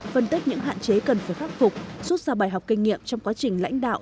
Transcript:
phân tích những hạn chế cần phải khắc phục xuất ra bài học kinh nghiệm trong quá trình lãnh đạo